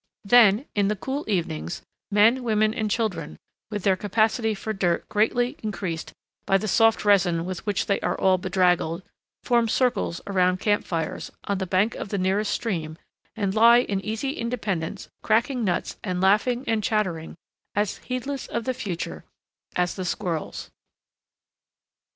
Then, in the cool evenings, men, women, and children, with their capacity for dirt greatly increased by the soft resin with which they are all bedraggled, form circles around camp fires, on the bank of the nearest stream, and lie in easy independence cracking nuts and laughing and chattering, as heedless of the future as the squirrels.